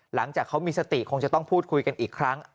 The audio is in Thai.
หลังจากเขามีสติคงจะต้องพูดคุยกันอีกครั้ง